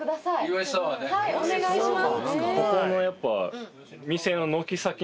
お願いします。